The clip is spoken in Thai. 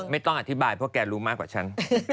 ไม่ต้องอธิบายเพราะแกรู้มากกว่าฉัน